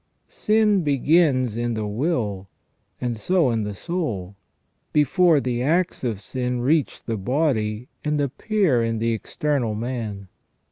Sin begins in the will, and so in the soul, before the acts of sin reach the body and appear in the external man.